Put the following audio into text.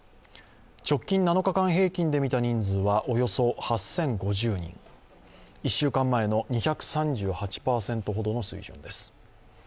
直近７日間平均で見た人数はおよそ８０５０人、１週間前の２３８％の水準です。